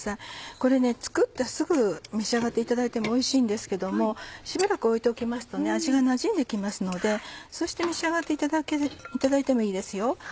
これ作ってすぐ召し上がっていただいてもおいしいんですけどもしばらく置いておきますと味がなじんで来ますのでそうして召し上がっていただいてもいいですよ。